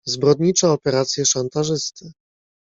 "Zbrodnicze operacje szantażysty."